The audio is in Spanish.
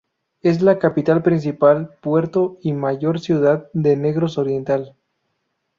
Es la capital, principal puerto, y mayor ciudad de Negros Oriental.